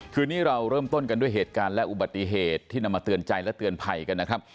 คืนนี้เราเริ่มต้นกันด้วยเหตุการณ์และอุบัติเหตุที่นำมาเตือนใจและเตือนภัยกันนะครับ